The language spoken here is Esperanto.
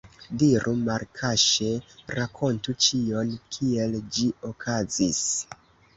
Diru malkaŝe, rakontu ĉion, kiel ĝi okazis!